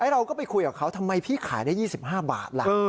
เราก็ไปคุยกับเขาทำไมพี่ขายได้๒๕บาทล่ะ